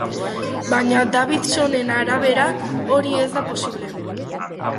Baina, Davidsonen arabera, hori ez da posible.